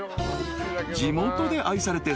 ［地元で愛されて３７年。